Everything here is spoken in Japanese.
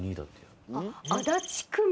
足立区民